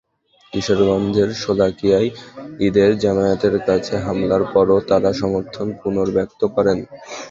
কিশোরগঞ্জের শোলাকিয়ায় ঈদের জামাতের কাছে হামলার পরও তাঁরা সমর্থন পুনর্ব্যক্ত করেন।